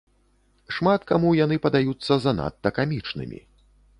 Шмат каму яны падаюцца занадта камічнымі.